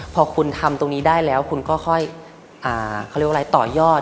พอคุณทำตรงนี้ได้แล้วคุณก็ค่อยต่อยอด